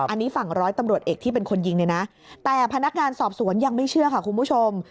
อันนี้ฝั่งร้อยตำรวจเอกที่เป็นคนยิงเนี่ยนะแต่พนักงานสอบสวนยังไม่เชื่อค่ะคุณผู้ชม